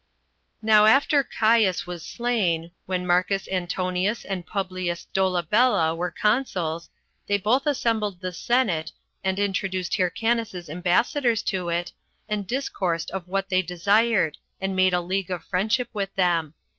Now after Caius was slain, when Marcus Antonius and Publius Dolabella were consuls, they both assembled the senate, and introduced Hyrcanus's ambassadors into it, and discoursed of what they desired, and made a league of friendship with them.